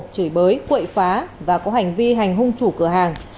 chửi bới quậy phá và có hành vi hành hung chủ cửa hàng